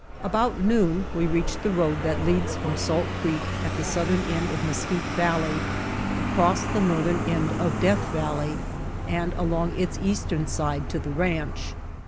About noon we reached the road that leads from Salt Creek at the southern end of Mesquite Valley across the northern end of Death Valley and along its eastern side to the ranch.